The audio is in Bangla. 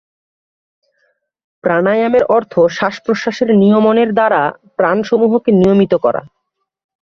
প্রাণায়ামের অর্থ শ্বাসপ্রশ্বাসের নিয়মনের দ্বারা প্রাণসমূহকে নিয়মিত করা।